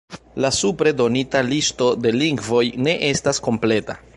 La supre donita listo de lingvoj ne estas kompleta.